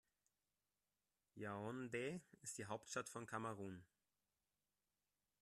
Yaoundé ist die Hauptstadt von Kamerun.